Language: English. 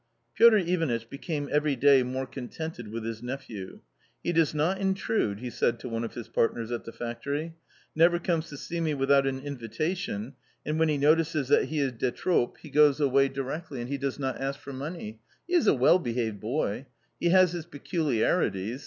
Piotr Ivanitch became every day more contented with his nephew. " He does not intrude," he said to one of his partners at the factory — "never comes to see me without an invitation ; and when he notices that he is de trop> he goes away A COMMON STORY 45 directly; and he does not ask for money; he is a well behaved boy. He has his peculiarities